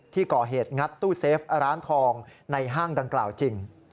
ที่ก่อเหตุงัดตู้เซฟร้านทองในห้างดังกล่าวจริง